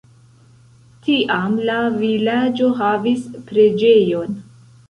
Tiam la vilaĝo havis preĝejon.